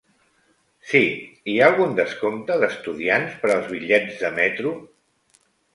Sí, hi ha algun descompte d'estudiants per als bitllets de metro?